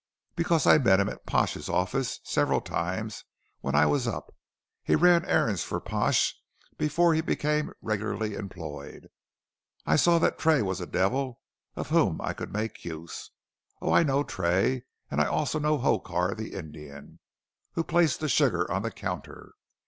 "Because I met him at Pash's office several times when I was up. He ran errands for Pash before he became regularly employed. I saw that Tray was a devil, of whom I could make use. Oh, I know Tray, and I know also Hokar the Indian, who placed the sugar on the counter.